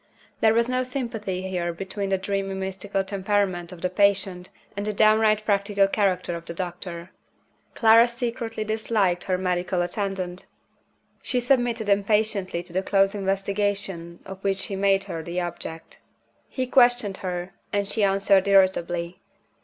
There was no sympathy here between the dreamy mystical temperament of the patient and the downright practical character of the doctor. Clara secretly disliked her medical attendant. She submitted impatiently to the close investigation of which he made her the object. He questioned her and she answered irritably.